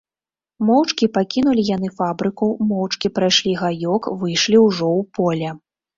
Моўчкі пакінулі яны фабрыку, моўчкі прайшлі гаёк, выйшлі ўжо ў поле.